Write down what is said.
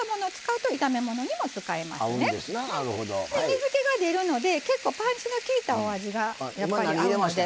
水けが出るので結構パンチのきいたお味がやっぱり合うので。